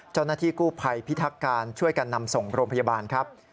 เจ้าหน้าที่กู้ภัยพิทักการช่วยกันนำส่งโรงพยาบาลครับ